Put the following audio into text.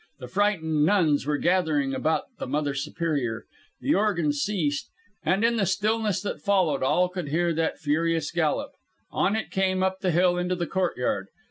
The frightened nuns were gathering about the Mother Superior. The organ ceased, and in the stillness that followed all could hear that furious gallop. On it came, up the hill, into the courtyard.